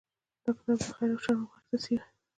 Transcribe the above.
دا کتاب د خیر او شر مبارزه څیړي.